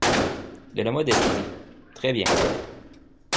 De la modestie, très bien.